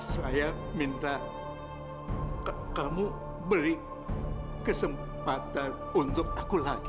saya minta kamu beri kesempatan untuk aku lagi